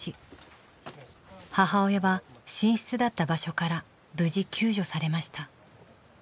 母親は寝室だった場所から無事救助されました。